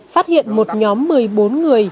phát hiện một nhóm một mươi bốn người